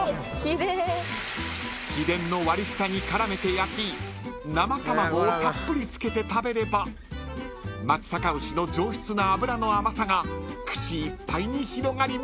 ［秘伝の割り下に絡めて焼き生卵をたっぷりつけて食べれば松阪牛の上質な脂の甘さが口いっぱいに広がります］